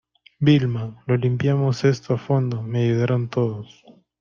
Vilma, lo limpiamos esto a fondo , me ayudaron todos.